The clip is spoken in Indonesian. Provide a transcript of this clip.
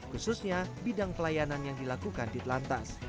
khususnya bidang pelayanan yang dilakukan di telantas